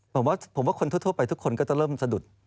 ผมว่าคนทั่วไปทุกคนก็ต้องเริ่มสะดุด